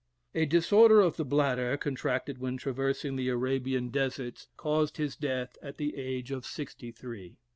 A disorder of the bladder, contracted when traversing the Arabian deserts, caused his death at the age of sixty three.